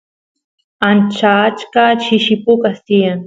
ancha achka shishi pukas tiyan